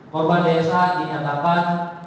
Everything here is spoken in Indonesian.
korban dsa dinyatakan